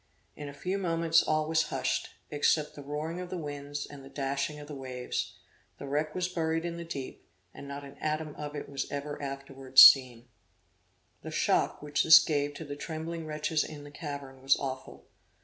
In a few moments all was hushed, except the roaring of the winds and the dashing of the waves; the wreck was buried in the deep, and not an atom of it was ever afterwards seen. The shock which this gave to the trembling wretches in the cavern was awful.